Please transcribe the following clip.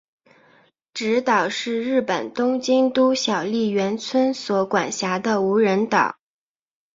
侄岛是日本东京都小笠原村所管辖的无人岛。